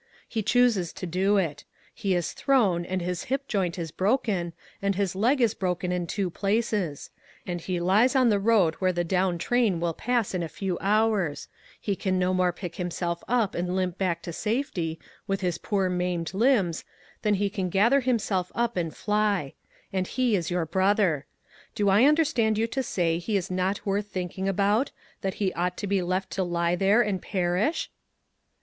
He chooses to do it ; he is thrown, and his hip joint is broken, and his leg is broken in LOGIC. 113 two places; and he lies on the road where the down train will pass in a few hours; he can no more pick himself up and limp back to safety, with his poor maimed limbs, than he can gather himself up and fly ; and he is your brother. Do I understand you to say he is not worth thinking about ; that he ought to be left to lie there and perish